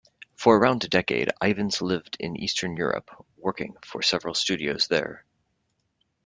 For around a decade Ivens lived in Eastern Europe, working for several studios there.